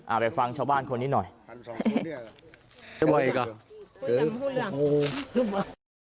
อ่าไปฟังชาวบ้านคนนี้หน่อยทำสองคนเนี้ย